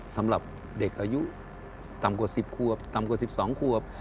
สำหรับเด็กอายุต่ำกว่า๑๐ควบต่ำกว่า๑๒ควบ